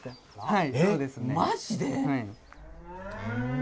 はい。